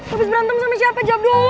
abis berantem sama siapa jawab dulu